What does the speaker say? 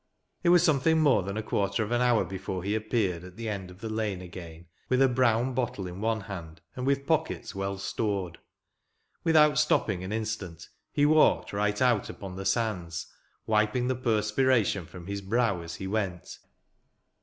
It was something more than a quarter of an hour before he appeared at the end of the lane again, with a brown bottle in one hand, and with pockets well stored. Without stopping an instant, he walked right out upon the sands, wiping the perspiration from his brow as he went.